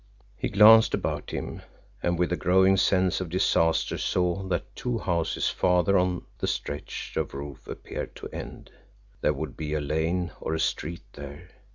He glanced about him and with a growing sense of disaster saw that two houses farther on the stretch of roof appeared to end. There would be a lane or a street there!